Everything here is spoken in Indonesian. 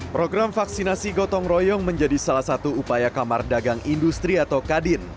program vaksinasi gotong royong menjadi salah satu upaya kamar dagang industri atau kadin